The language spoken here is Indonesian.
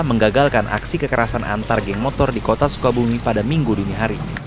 menggagalkan aksi kekerasan antar geng motor di kota sukabumi pada minggu dini hari